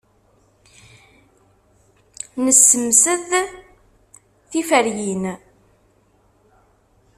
Nessemsed tiferyin.